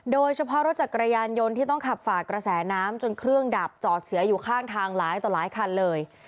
โดยเฉพาะรถจักรยานยนต์ที่ต้องขับฝากระแสน้ำจนเครื่องดับจอดเสียอยู่ข้างทางหลายต่อหลายคันเลย